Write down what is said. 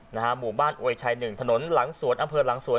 หมู่บ้านอวยชัยหนึ่งถนนหลังสวนอำเภอหลังสวน